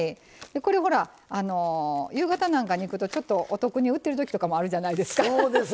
これ、ほら、夕方なんかに行くとちょっとお得に売ってるときとかあるじゃないですか。